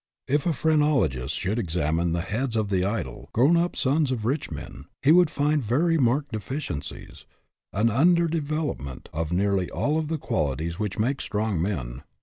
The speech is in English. If a phrenologist should examine the heads of the idle, grown up sons of rich men, he would find very marked deficiencies, an under development of nearly all of the qualities which make strong men.